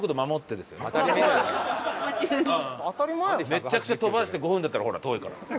めっちゃくちゃ飛ばして５分だったらほら遠いから。